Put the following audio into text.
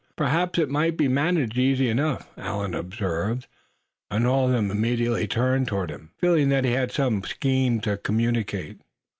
"Perhaps it might be managed easy enough," Allan observed, and all of them immediately turned toward him, feeling that he had some scheme to communicate.